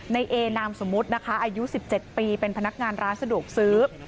ในเอนามสมมุตินะคะอายุ๑๗ปีเป็นพนักงานร้านสะดวกซื้อ